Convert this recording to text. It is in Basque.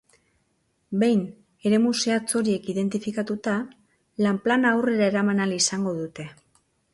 Behin eremu zehatz horiek identifikatuta, lan-plana aurrera eraman ahal izango dute.